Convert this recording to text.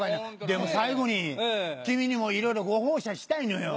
でも最後に君にもいろいろご奉仕はしたいのよ。